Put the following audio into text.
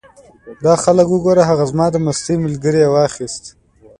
دا خلک وګوره! هغه زما د مستۍ ملګری یې واخیست.